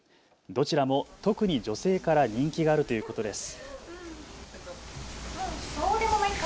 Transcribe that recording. どちらも特に女性から人気があるということです。